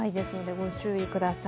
ご注意ください。